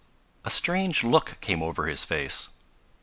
A strange look came over his face.